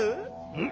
うん。